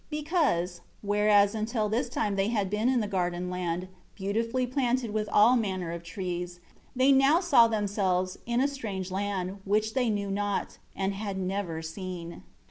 3 Because whereas until this time they had been in the garden land, beautifully planted with all manner of trees they now saw themselves, in a strange land, which they knew not, and had never seen.